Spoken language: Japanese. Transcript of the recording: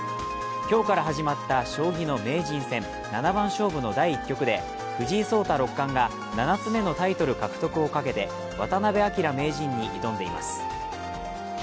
今日から始まった将棋の名人戦七番勝負の第１局で藤井聡太六冠が７つ目のタイトル獲得をかけて渡辺明名人に挑んでいます。